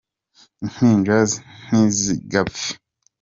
Impinja ntizigapfe.